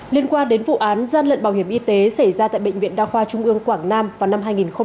liên quan đến vụ án gian lận bảo hiểm y tế xảy ra tại bệnh viện đa khoa trung ương quảng nam vào năm hai nghìn một mươi